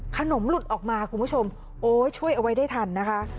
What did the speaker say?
ขนมหลุดออกมาคุณผู้ชมโอ้ยช่วยเอาไว้ได้ทันนะคะ